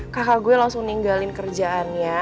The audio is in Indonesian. kakak gue langsung ninggalin kerjaannya